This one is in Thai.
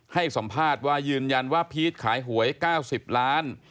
ให้สัมภาษณ์ว่ายืนยันว่าพีชขายหวย๙๐ล้าน